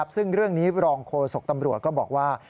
ซึ่งเรื่องนี้รองโฆษกตำรวจก็บอกว่า